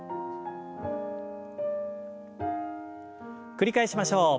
繰り返しましょう。